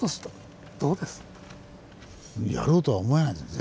やろうとは思えないですね